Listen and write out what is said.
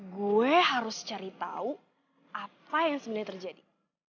gue harus cari tau apa yang sebenernya terjadi